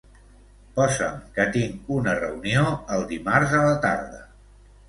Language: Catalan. Posa'm que tinc una reunió el dimarts a la tarda.